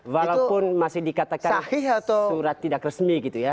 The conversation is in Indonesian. walaupun masih dikatakan surat tidak resmi gitu ya